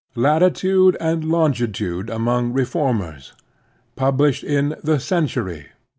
LATITUDE AND LONGITUDE AMONG REFORMERS Published in thb "Century."